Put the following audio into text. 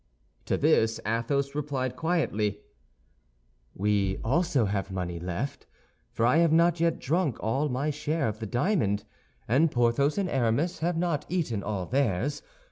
To this Athos replied quietly: "We also have money left—for I have not yet drunk all my share of the diamond, and Porthos and Aramis have not eaten all theirs.